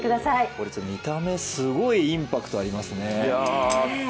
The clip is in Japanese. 見た目、すごいインパクトありますね。